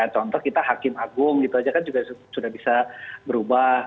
contoh kita hakim agung gitu aja kan juga sudah bisa berubah